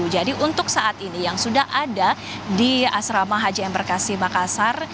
jadi untuk saat ini yang sudah ada di asrama haji yang berkasih makassar